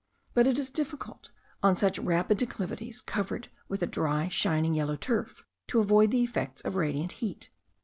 But it is difficult, on such rapid declivities, covered with a dry, shining, yellow turf, to avoid the effects of radiant heat.